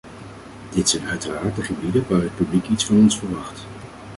Dit zijn uiteraard de gebieden waar het publiek iets van ons verwacht.